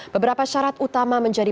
beberapa syarat utama menjadi